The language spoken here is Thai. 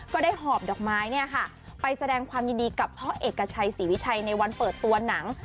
ก็ได้หอบดอกไม้เนี่ยค่ะไปแสดงความยินดีกับพ่อเอกกับชัยศรีวิชัยในวันเปิดตัวหนัง